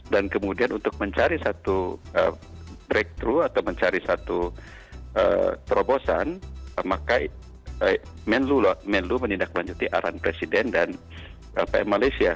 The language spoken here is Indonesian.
dan kemudian untuk mencari satu breakthrough atau mencari satu terobosan maka menlu menindaklanjuti arahan presiden dan lpm malaysia